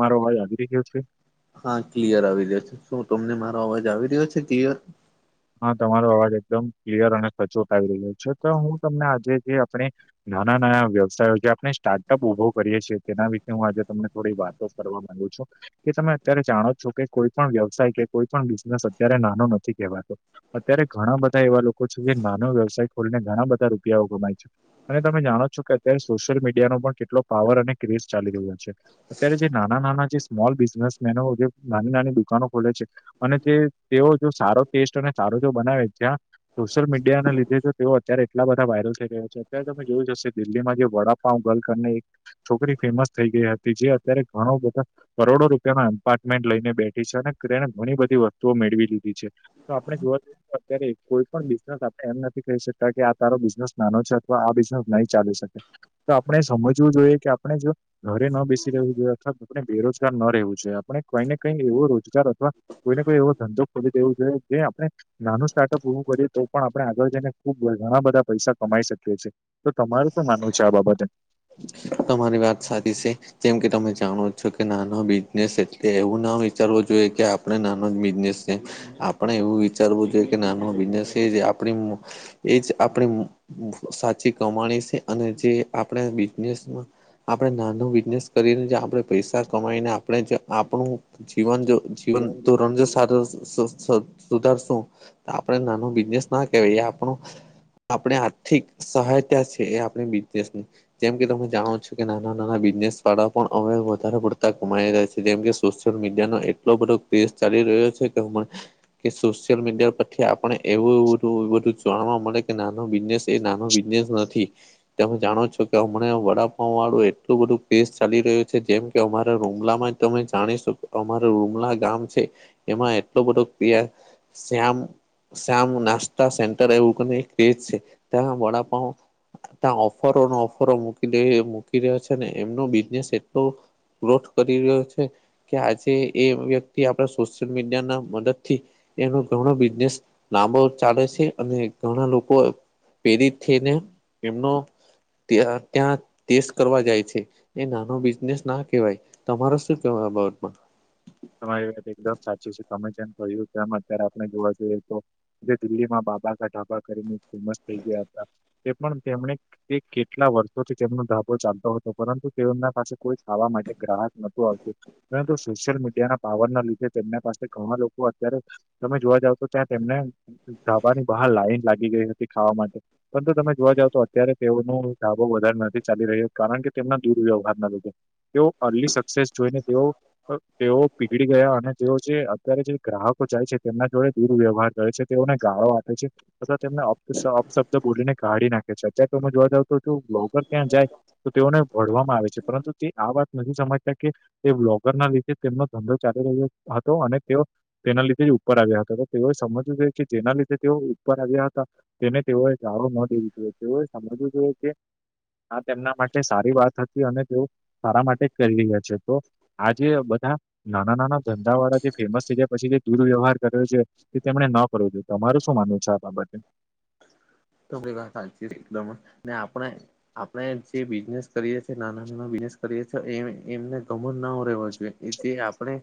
મારો અવાજ આવી રહ્યો છે. હા ક્લિયર આવી રહ્યો છે, શું તમને મારો અવાજ આવી રહ્યો છે, ક્લિયર હ તમારો અવાજ એકદમ ક્લિયર અને સચોટ આવી રહ્યો છે, તો હું તમને આજે જે આપણે નાના નાના વ્યવસાયો જે આપણે સ્ટાર્ટઅપ ઊભો કરીએ છીએ તેના વિશે હું આજે તમને થોડી વાત તો કરવા માંગુ છું. કે તમે અત્યારે જાણો છો કે કોઈ પણ વ્યવસાય કે કોઈ પણ બિઝનેસ અત્યારે નાનો નથી કહેવાતો અત્યારે ઘણા બધા એવા લોકો છે કે નાનો વ્યવસાય ખોલીને ઘણા બધા રૂપિયાઓ કમાય છે. અને તમે જાણો છો કે અત્યારે સોશિયલ મીડિયાનો પણ કેટલો પાવર અને ક્રેઝ ચાલી રહ્યો છે. અત્યારે જે નાના નાના જે સ્મોલ બિઝનેસમેનો જે નાની નાની દુકાનો ખોલે છે. અને જે તેઓ જો સારો ટેસ્ટ અને સારો જો બનાવે ત્યાં સોશિયલ મીડિયાના લીધે તો તેઓ અત્યારે એટલા બધા વાયરલ થઈ રહ્યો છે, અત્યારે તમે જોયું જ હશે કે દિલ્હીમાં જે વડા પાવ ગલ કરને એક છોકરી ફેમસ થઈ ગઈ હતી જે અત્યારે ઘણો બધા કરોડો રૂપિયાના એમપાર્ટમેન્ટ લઈને બેઠી છે, અને તેને ઘણી બધી વસ્તુઓ મેળવી લીધી છે. તો આપણે જોવા અત્યારે કોઈ પણ બિઝનેસ એમ નથી કહી શકતા કે આ તારો બિઝનેસ નાનો છે, અથવા આ બિઝનેસ નહી ચાલી શકે તો આપણે સમજવું જોઈએ કે આપણે જો ઘરે ન બેસી રહેવું જોઈએ અથવા આપણે બેરોજગાર ન રહેવુ જોઈએ આપણે કંઈ ને કંઈ એવો રોજગાર અથવા કોઈ ને કોઈ એવો ધંધો ખોલી દેવું જોઈએ જે આપણે નાનું સ્ટાર્ટઅપ ઉવું પડે તો પણ આપણે આગળ જઈને ખબ ઘણા બધા પૈસા કમાઈ શકીએ છીએ તો તમાર શું માનવું છે આ બાબતે? તમારી વાત સાચી છે. જેમ કે તમે જાણો છો કે નાનો બિઝનેસ એટલે એવું ના વિચારવો જોઈએ કે આપણે નાનો જ બિઝનેસ છે આપણે એવું વિચારવું જોઈએ કે નાનો બિઝનેસ છે આપણી એજ આપણે સાચી કમાણી છે અને જે આપણે બિઝનેસ આપણે નાનું બિઝનેસ કરીને આપણે પૈસા કમાઈને આપણે જે આપણું જીવન જો જીવન તોરણ જે સારસ સુધરશું આપણે નાનું બિઝનેસ ના કેવાય આપણું આપણે આર્થિક સહાયતા છે એ આપણી બિઝનેસ જેમ કે તમે જાણો છો કે નાના નાના બિઝનેસ વાળા પણ હવે વધારે પડતા ગુમાઈ રહ્યા છે જેમ કે મીડિયા એટલો બધો કેંજ ચાલી રહ્યો છે કે કે સોશિયલ મીડિયા પરછથી આપને એવું બધું જાણવા મળે કે નાનું બિઝનેસ એ નાનો બિઝનેસ નથી તમે જાણો છો હમણાં વડાંપાવ વાળું એટલું બધું કેસ ચાલી રહ્યું છે, જેમ કે અમારા રૂમલા માં તમે જાણી શકો અમાર રૂમલા ગામ છે એમાં એટલો બધો શ્યામ શમ નાસ્તા સેન્ટર એવું છે ત્યા વડાપાવ ઓફરો ઓફરો મૂકી મૂકી રહ્યા છે ને એમનો બિઝનેસ એટલો ગ્રોથ કરી રહ્યો છે. કે આજે એ વ્યક્તિ આપડા સોશિયલ મીડિયા ના મદદ થી એનો ઘણો બિઝનેસ લાંબો ચાલે છે અને ઘણા લોકો પ્રેરિત થઈને એમનો ત્યાં ત્યાં ટેસ્ટ કરવા જાય છે. એ નાનો બિઝનેસ ના કેહેવાય તમારો શું કેહેવાય અ બાબતમાં? તમારી વાત એકદમ સાચી છે તમે જેમ કહ્યું અત્યારે આપણે જોવા જઈએ તો જે દિલ્હીમાં બાબા ગાઢાબા કરીને ફેમસ થઈ ગયા હતા તે પણ તેમને તે કેટલા વર્ષોથી તેમનો ધાબો ચાલતો હતો પરંતુ તે એમના પાસે કોઈ ખાવા માટે ગ્રાહક નતું આવતું મે તો સોશલ મીડિયા ના પાવરનના લીધે તેમના પાસે ઘણા લોકો અત્યારે તમે જોવા જાવ તો ત્યાં તેમને ધાબાની બહાર લાઈન લાગી ગઈ હતી ખાવા માટે પરંતુ તમે જોવા જાવ તો અત્યારે તેઓનો ધાબો વધારે નથી ચાલી રહ્યો કારણ કે તેમના દુર્વ્યવહારના લીધે તેઓ અર્લી સક્સેસ જોઈને તેઓ તેઓ પીગળી ગયા અને તેઓ જે અત્યારે જે ગ્રાહકો જાય છે તેમના જોડે દુરવ્યવહાર કરે છે. તેઓને ગાળો આપે છે. [unintelligible] તેમને અપશબ્દ બોલીને કાઢી નાખે છે અત્યારે તમે જોવા જાવ તો ત્યાં જાય તો તેઓને ભળવામાં આવે છે પરંતુ તે આ વાત નથી સમજતા કે તે બ્લોગર ના લીધ જે તેમનો ધંધો ચાલી રહ્યો હતો અને તેઓ તેના લીધે જ ઉપર આવ્યા હતા તો તેઓએ સમજવું જો કે જેના લીધે તેઓ ઉપર આવ્યા હતા તેને તેઓએ જારું ન દેવું જોઈએ તેઓએ સમજવું જોઈએ કે આ તેમના માટે સારી વાત હતી અને તેઓ સારા માટે જ કરી રહ્યા છે તો આ જે બધા નાના નાના ધંધા વાળા જે ફેમસ થઈ ગયા પછી જે દુર્વ્યવહાર કર્યો છે. કે તેમણે ન કરવું જોઈએ તમારું શું માનવું છે આ બાબતે? તો વાત સાચી એકદમ ને આપણે આપણે જે બિઝનેસ કરીએ છીએ નાના નાના બિઝનેસ કરીએ છીએ એમને ગમણ ના રહેેવા જોઈએ એ જે આપણે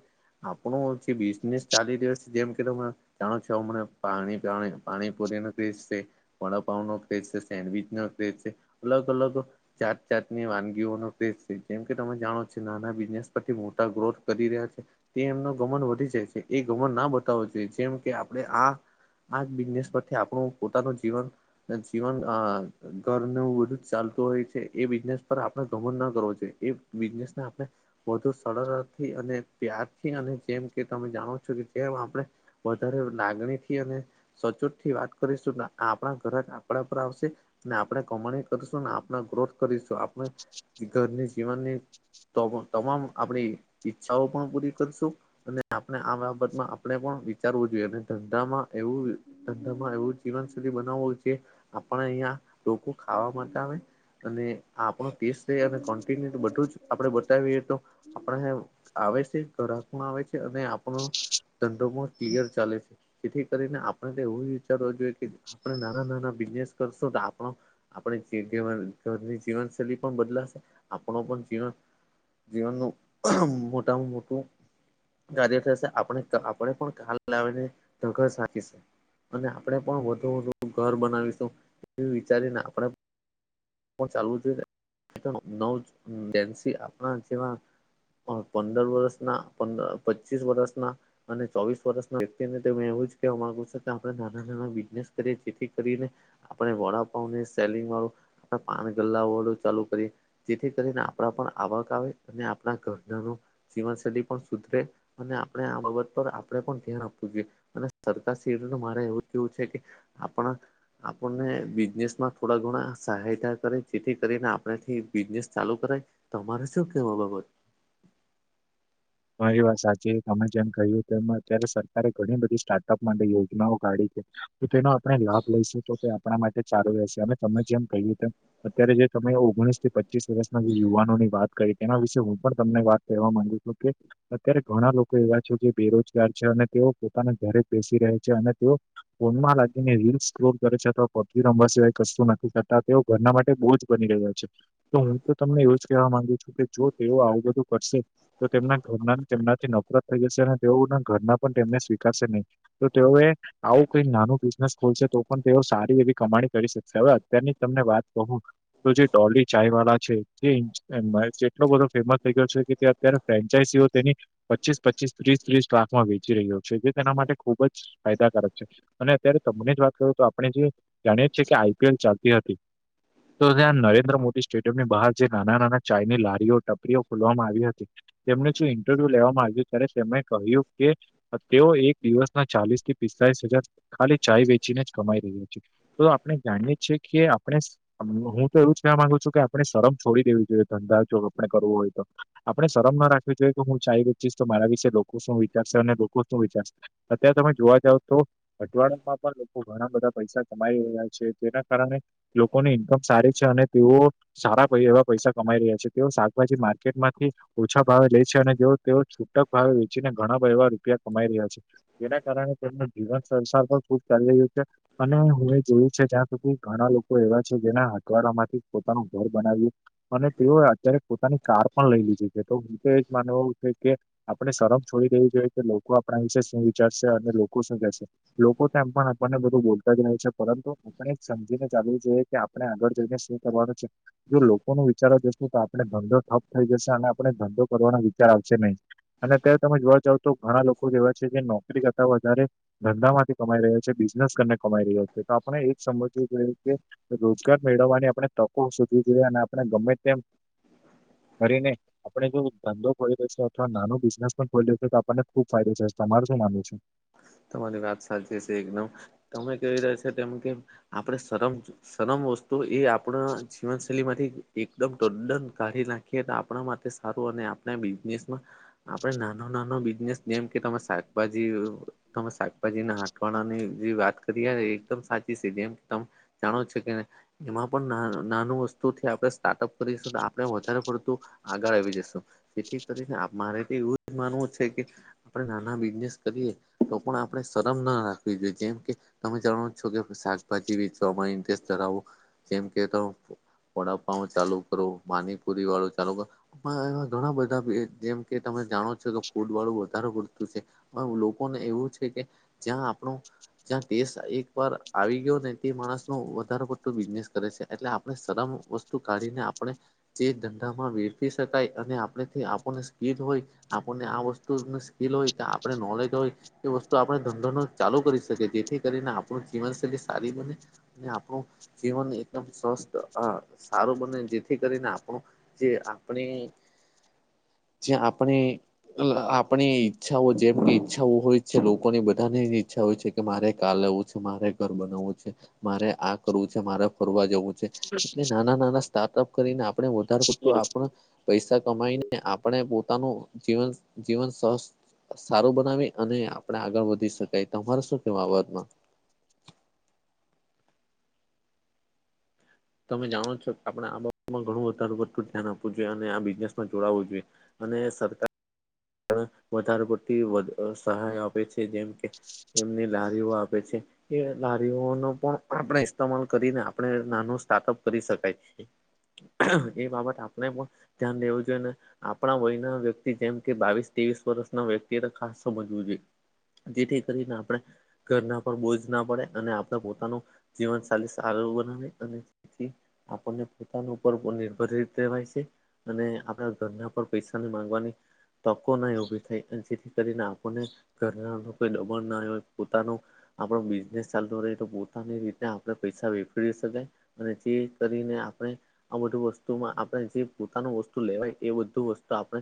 આપણો જે બિઝનેસ ચાલી રહ્યો છે જેમ કે તમે જાણો છો હમણે પાણી પાણી પૂરીને [unintelligible] વડાંપાવ નો ક્રેજ છે સેન્ડવીચ નો ક્રેજ છે અલગ અલગ જાત જાતની વાનગીઓનો ક્રેજ છે જેમ કે તમે જાણો છો નાના બિઝનેસ પરથી મોટા ગ્રોથ કરી રહ્યા છે. તે એમનો ગમન વધી જાય છે એ ગમન ના બતાવો જોઈએ જેમ કે આપણે આ આ જ બિઝનેસ પરથી આપણું પોતાનું જીવન જીવન ઘરનું બધું જ ચાલતું હોય છે એ બિઝનેસ પર આપણે ગમ ના કરવો જો એ બિઝનેસ ના આપણે વધુ સરળથી અને પ્યારથી અને જેમ કે તમે જાણો છો કે જેમ આપણે વધારે લાગણી થી અને સચોટ થી વાત કરીશું આપ આપણા ઘર આપણા પર આવશે ને આપણે કમાણી કરશું ને આપણા ગ્રોથ કરીશું આપણે ઘરની જીવનની તમામ આપણી ઈચ્છાઓ પણ પૂરી કરીશું અને આપણે આ બાબતમાં આપણે પણ વિચારવું જોઈએ અને ધંધામાં એવું ધંધા માં એવું જીવન સુ ય આપ અહિયાં લોકો ખાવા માટે આવે અને હ આપણો ટેસ્ટ થઈ અને કોન્ટિન્યુ બધું જ આપે વી તો આપ આવે છે ઘકું આવે છે અને આપણું ધંધોમાં ક્લિયર ચાલે છે જેથી કરીને આપણે એવું વિચારવું જોઈએ કે આપણે નાના નાના બિઝનેસ કરશો તો આપણો આપણીની જીવનશૈ પણ બદલાશે આપણો પણ જીવન જીવનનું મોટામાં મોટું ગ થશે આપ આપણે પણ કાલ લાવીને ધચી છે અને આપણે પણ વધુ વધું ઘર બનાવીશું એ વિચારીને આપણે ચાલવું જોઈએવન્સી આપણા જેવા પંદર વર્ષના પંદર પચીસ વર્ષના અને ચોવીસ વર્ષ ના વ્યક્તિને તો એવું કે અગુ છે કે આપણે નાના નાના બિઝનેસ જેથી કરીને આપણે વડાપ સેલિંગ વાળું પાન ગલા વાળું ચાલુ કરી જેથી કરીને આપણા પણ આવક આવે અને આપણા ઘરના જીવનશૈલી પણ સુધરે અને આપણે આ બાબત પર આપણે પણ ધ્યાન આપવું જોઈએ અને સરકાર સી મારે એવું કેવું છે કે આપણા આપણને બિઝનેસમાં થોડા ઘણા સહાયતા કરે જેથી કરીને આપણેથી બિઝનેસ ચાલુ કરાય તમારે શું કેવા બાબત હ એ વાત સાચી તમે જેમ કહ્યું એ અત્યારે સરકારે ઘણી બધી સ્ટાર્ટઅપ માટે યોજનાઓ કાઢી છે તો તેનો આપણે લાભ લઈશું તો તે આપણા માટે ચાલુ રહેશે અ તમે જેમ કહ્યું તેમ અત્યારે જે તમે ઓગણીસ થી પચીસ વર્ષના જે યુવાનો ની વાત કરી તેના વિશેે હું પણ તમને વાત કરવાવા માંગુ છું હ અત્યારે ઘણા લોકો એવા છે કે બેરોજગાર છે અને તેઓ પોતાના ઘરે બેસી રહે છે અને તેઓ ફોનમાં લાગીને રીલ સ્ોર કરે છે અથવા પવી રમવા સિવાય કશું નથી કરતા તે ઘરના માટે બહુ જ બની રહ્યા છે તો હું તો તમને એવું જ કહેવા માંગુ છું કે જો તેઓ આવું બધું કરશે તો તેમના ઘરના તેમનાથી નફરત થઈ જશે અને તેઓના ઘરના પણ તેમને સ્વીકારશે નહીં તો તેઓએ આવું કઈ નાનું બિઝનેસ ખોલશે તો પણ તેઓ સારી એવી કમાણી કરી શકશે હવે અત્યારની તમને વાત કહું તો જે ડોલી ચાય વાળા છે તે એટલો બધો ફેમસ થઈ ગયો છે કે તે અત્યારે ફ્રેન્ચાઈસીઓ તેની પચીસ પચીસ ત્રીસ ત્રીસ સ્ટાકમાં વેચી રહ્યો છે જે તેના માટે ખુબ જ ફાયદાકાર જ છે અને અત્યારે તમને જ વાત કરું તો આપણે જે જાણીએ છીએ કે આઈપીએલ ચાલતી હતી તો ત્યાં નરેન્દ્ર મોદી સ્ટેડિયમ ની બહાર જે નાના નાના ચાઇની લારીઓ ટપરીઓ ખોલવામાં આવી હતી તેમને શ ઇન્ટરવ્યુ લેવામાં આવ્યું ત્યારે તેમણે કહ્યું કે તેઓ એક દિવસના ચાલીસ થી પિસ્તાલીસ હજાર ખાલી ચાય વેચીને જ કમાઈ રહ્યા છે તો આપણે જાણીએ છીએ કે આપણે હું તો એવું જ કવા માંગુ છું કે આપણે શરમ છોડી દેવી જોઈએ ધંધા જો આપણે કરવો હોય તો આપણે શરમ ના રાખવી જોઈએ કે હું ચાય વેચીસ તો મારા વિશે લોકો શું વિચારશે અને લોકો શું વિચારશે અત્યારે તમે જોવા જાવ તો અઠવાડિયામાં પણ લોકો ઘણા બધા પૈસા કમાઈ રહ્યા છે, તેના કારણે લોકોની ઇન્કમ સારી છે અને તેઓ સારા એવા પૈસા કમાઈ રહ્યા છે. તેઓ શાકભાજી માર્કેટ માંથી ઓછા ભાવે લે છે અને જેઓ તેઓ છૂટક ભાવે વેચીને ઘણા એવા રૂપિયા કમાઈ રહ્યા છે. જેના કારણે તેમનો જીવન સંસાર પણ ખુબ ચાલી રહ્યું છે. અને હું એ જોયું છે જ્યાં સુધી ઘણા લોકો એવા છે જેના હથવાડા માંથી પોતાનું ઘર બનાવ્યું અને તેઓ અત્યારે પોતાની કાર પણ લઈ લીધી છે. તો હું તો એજ માનવ છે કે આપણે શરમ છોડી દવી જોઈએ કે લોકો આપણા વિશે શું વિચારશે અને લોકો શું કેશે. લોકો તો એમ પણ આપણને બધું બોલતા જ રહે છે પરંતુ પણ એક સમજીને જાલવું જોઈએ કે આપણે આગળ જઈને શું કરવાનું છે. જો લોકો ન વિચારો જશું તો આપણે ધંધો ઠપ થઈ જશે અને આપણે ધંધો કરવાનો વિચાર આવશે નહી. અને અત્યારે તમે જોવા જાવ તો ઘણા લોકો કેવા છે કે નોકરી કરતા વધારે ધંધા માંથી કમાઈ રહ્યો છે, બિઝનેસ કરીને કમાઈ રહ્યો છે. તો આપણે એ જ સમજવું જોઈએ કે રોજગાર મેળવવાની આપણે તકો સુધવી જોઈએ અને આપણે ગમે તેમ કરીને આપણે જો ધંધો ખોલી્યો છે અથવા નાનું બિઝનેસ પણ ખોલી રહ્યું છે. તો આપણને ખુબ ફાયદો છે. તમાર શું માનવું છે? તમારી વાત સાચી છે એકદમ, તમે કેવી રહ્યા છો તેમ કે આપણે શરમ શરમ વસ્તુ એ આપણા જીવનશૈલી માંથી એકદમ ટદન કાઢી નાખ કે તે આપણા માટે સારું અને આપણા બિઝનેસમાં આપડે નાનો નાનો બિઝનેસ જેમ કે તમે શાકભાજી તમે શાકભાજી ના હાટવાણાની જે વાત કરી એકદમ સાચી છે જેમ તમ જાણો છે કેને એમાં પણ નાનું વસ્તુથી આપણે સ્ટાર્ટઅપ કરીશું આપણે વધારે પડતું આગળ આવી જશું જેથી કરીને મારે તો એવું જ માનવું છે કે આપણે નાના બિઝનેસ કરીએ તો પણ આપણે શરમ ના રાખવી જોઈએ જેમ કે તમે જાણો છો કે શાકભાજી વેચવામાં ઇન્ટરેસ્ટ ધરાવો જેમ કે વડાપાવ ચાલુ કરો પાનીપુરી વાળું ચાલુ કર એવા ઘણા બધા જેમ કે તમે જાણો છો કે ફૂડ વાળું વધારે પડતું છે, પણ એવું છે કે જ્યાં આપણું જ્યાં દેશ એક વાર આવી ગયો ને તે માણસ ન વધારે પડતો બિઝનેસ કરે છે એટલે આપણે શરમ વસ્તુ કાઢીને આપણે તે ધંધામાં વેરી શકાય અને આપણે આપણને સ્કીલ હોય આપણને આ વસ્તુની સ્કીિલ હોય તો આપે નોલેજ હોય એ વસ્તુ આપણે ધંધો ન ચાલુ કરી શકીએ જેથી કરીને આપણું જીવનશૈલી સારી બને ને આપણું જીવન એકદમ સ્વસ્થ સારું બને જેથી કરીને આપણું જે આપણે જ્યાં આપણે આપણી ઈચ્છાઓ જેમ કેઈ છા હોય છે લોકો ની બધાનેની ઈચ્છા હોય છે કે મારે આ લેવું છે, મારે ઘર બનાવવું છે મારે આ કરવું છે, મારે ફરવા જવું છે. એટલે નાના-નાના સ્ટાર્ટઅપ કરીને આપણે વધાર પડતું આપણ પૈસા કમાઈને આપણે પોતાનું જીવન જીવન સારું બનાવી અને આપણેે આગળ વધી શકાય. તમારે શું કેવું આ બાબતમાં? તમે જાણો છો કે આપણે આ બાબતમાં ઘણું વધારે પડતું ધ્યાન આપવું જોઈએ અને આ બિઝનેસમાં જોડું જોઈએ અને સરકા વધારે પડતી સહાય આપે છે જેમ કે એમને લારીઓ આપે છે. એ લારીઓ ન પણ આપણે ઇસ્તેમાલ કરીને આપણે નાનું સ્ટાર્ટઅપ કરી શકાય છે. એ બાબત આપણે પણ ધ્યાન દેવું જોઈએ ને આપણા વય ના વ્યક્તિ જેમ કે બાવીસ તવીસ વર્ષના વ્યક્તિએ ખાસ સમજવું જોઈએ જેથી કરીને આપણે ઘરના પર બોજ ના પડે અને આપડ પોતાનું જીવનશલી સારું બનાવે અને આપણને પોતાનું ઉપર નિર્ભરિત રહેવાય છે અને આપણા ઘરના પર પૈસાની માંગવાની તકો ના ઉભી થાય અને જેથી કરીને આપને ઘરના કોઈ દબાણ ના હોય પોતાનું આપણો બિઝનેસ ચાલતો રહે તો પોતાની રીતે આપણે પૈસા વેફરી શકેાય અને તે કરીને આપણે આ બધું વસ્તુમાં આપણે જે પોતાનું વસ્તુ લેવાય એ બધું વસ્તુ આપણે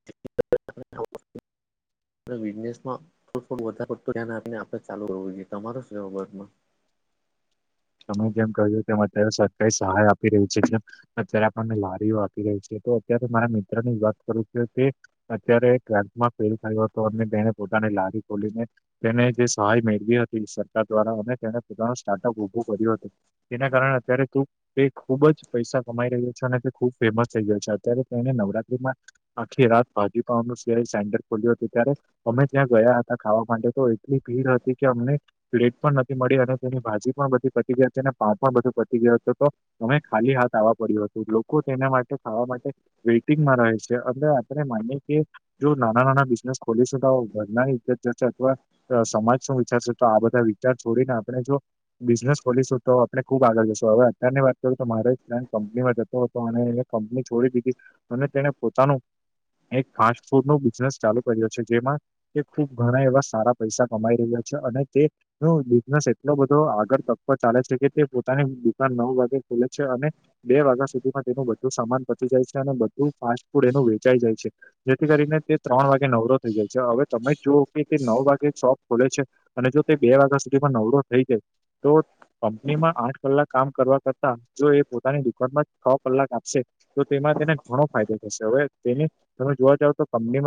[inaudible] બિઝનેસમાં થોડું થોડું વધડ ધ્યાન આપીને આપડે ચાલુ હોવું જોઈએ તમારો છેરમાં તમે જેમ કહો તેમ અત્યારે સરકારી સહાય આપી રહી છે કેમ અત્યારે આપણને લારીઓ આપી રહી છે તો અત્યારે મારા મિત્ર ની વાત કરું છે તે અત્યારે ટ્વેલ્થમાં ફેલ થયો હતો અને બેને પોતાની લારી ખોલીને તેને જે સહાય મેળવી હતી સરકાર દ્વારા અને તેને પોતાનો સ્ટાર્ટઅપ ઉભો કર્યું હત તેના કારણે અત્યારે તું તે ખૂબ જ પૈસા કમાઈ રહ્યો છે અને તે ખૂબ ફેમસ થઈ ગયો છે અત્યારે તેને નવરાત્રીમાં આખી રાત ભાજીપાનું સિવા સેન્ટર ખોલ્યું હતું ત્યારે અમે ત્યાં ગયા હતા ખાવા માટે તો એટલી ભીડ હતી કે અમને પ્લેટ પણ નથી મળી અને તેની ભાજી પણ બધી પટી ગઈ હતી અને પાાવ પણ બધું પટી ગયો હતો તો તમે ખાલી હાથ આવવા પડ્યું હતું લોકો તેના માટે ખાવા માટે વેઇટિંગમાં રહે છે અ આપણે માનીએ કે જો નાના નાના બિઝનેસ ખોલીશું તો ઘરના રીતે જ જશે અથવા સમાજ શું વિચારશે તો આ બધા વિચાર છોડીને આપણે જો બિઝનેસ ખોલીશું તો આપણે ખૂબ આગળ જશો હવે અત્યારની વાત કરું તો મારે જ પ્લાન કંપનીમાં જતો હતો અને એ કંપની છોડી દીધી અને તેણે પોતાનું એક ફાસ્ટ ફૂડ ન બિઝનેસ ચાલુ કર્યો છે જેમાં તે ખુબ ઘણા એવા સારા પૈસા કમાઈ રહ્યા છે અને તે બિઝનેસ એટલો બધો આગળ ત ચાલે છે કે તે પોતાની દુકાન નવ વાગે ખોલે છે અને બે વાગ્યા સુધીમાં તેનું બધું સમાન બચી જાય છે અને બધું ફાસ્ટ ફૂડ એનું વેચાઈ જાય છે જેથી કરીને તે ત્રણ વાગે નવરો થઈ જાય છે હવે તમે જોઓ કે તે નવ વાગે શોપ ખુલે છે અને જો તે બે વાગ્યા સુધીમાં નવરો થઈ જાય તો કંપનીમાં આઠ કલાક કામ કરવા કરતા જો એ પોતાની દુકાનમાં છ કલાક આપશે તો તેમાં તેને ઘણો ફાયદો થશે હવે તેને તમે જોવા જાવ તો કંપનીમાં